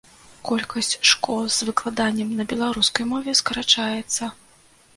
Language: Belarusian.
Колькасць школ з выкладаннем на беларускай мове скарачаецца.